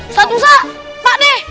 ustadz musa pak deh